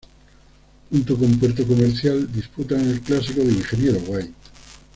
Junto con Puerto Comercial disputan el clásico de Ingeniero White.